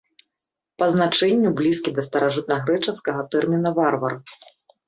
Па значэнню блізкі да старажытнагрэчаскага тэрміна варвар.